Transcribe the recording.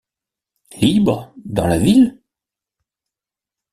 Libres dans la ville ?